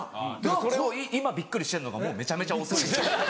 それを今びっくりしてるのがもうめちゃめちゃ遅いです。